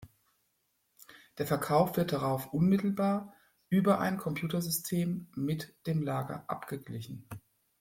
Der Verkauf wird darauf unmittelbar über ein Computersystem mit dem Lager abgeglichen.